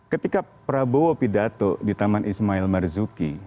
ketika prabowo pidato di taman ismail marzuki